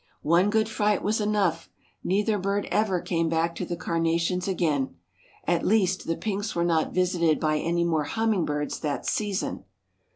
One good fright was enough. Neither bird ever came back to the carnations again. At least, the pinks were not visited by any more hummingbirds that season.